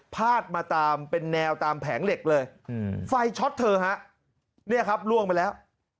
พาดมาตามเป็นแนวตามแผงเหล็กเลยไฟช็อตเธอฮะเนี่ยครับล่วงไปแล้ว